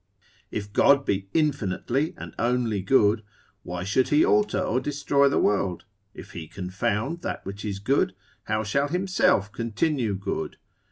If God be infinitely and only good, why should he alter or destroy the world? if he confound that which is good, how shall himself continue good?